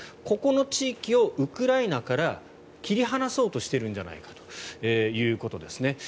ここの地域をウクライナから切り離そうとしてるんじゃないかということです。